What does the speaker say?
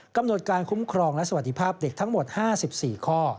กำหนดการคุ้มครองและสวัสดีภาพเด็กทั้งหมด๕๔ข้อ